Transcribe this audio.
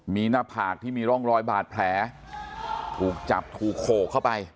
มีหน้าผากที่มีร่องรอยบาดแผลถูกจับถูกโขกเข้าไป